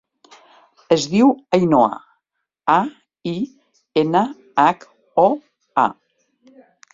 Es diu Ainhoa: a, i, ena, hac, o, a.